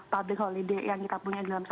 public holiday yang kita punya dalam satu tahun